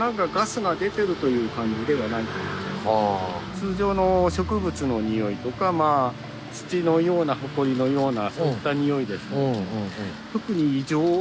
通常の植物のにおいとか土のようなほこりのようなそういったにおいですね。